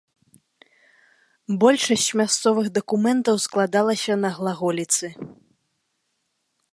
Большасць мясцовых дакументаў складалася на глаголіцы.